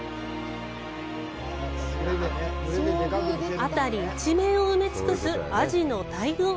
辺り一面を埋め尽くすアジの大群！